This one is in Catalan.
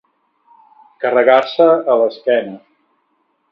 Carregar-se a l'esquena.